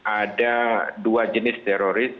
ada dua jenis teroris